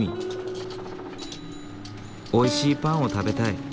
おいしいパンを食べたい。